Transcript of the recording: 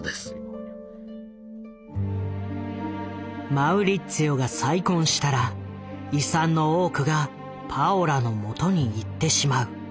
マウリッツィオが再婚したら遺産の多くがパオラのもとにいってしまう。